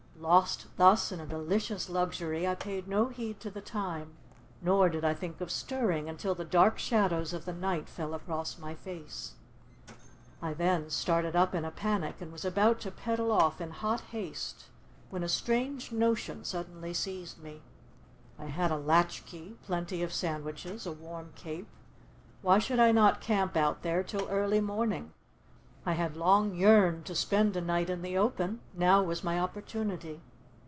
Lost, thus, in a delicious luxury, I paid no heed to the time, nor did I think of stirring, until the dark shadows of the night fell across my face. I then started up in a panic, and was about to pedal off in hot haste, when a strange notion suddenly seized me: I had a latchkey, plenty of sandwiches, a warm cape, why should I not camp out there till early morning—I had long yearned to spend a night in the open, now was my opportunity.